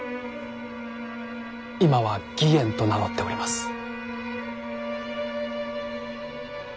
今は義円と名乗っております。